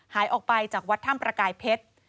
หายออกไปจากวัดถ้ำประกายเพชร